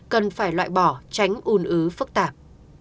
cần phải loại bỏ tránh un ứ phức tạp